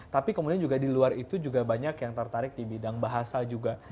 tapi kemudian juga di luar itu juga banyak yang tertarik di bidang bahasa juga